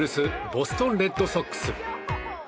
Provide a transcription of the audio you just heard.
ボストン・レッドソックス。